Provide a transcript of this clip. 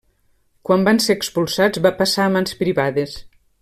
Quan van ser expulsats va passar a mans privades.